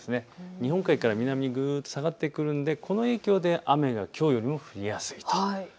日本海から南にぐっと下がってくるのでこの影響で雨がきょうよりも降りやすいということです。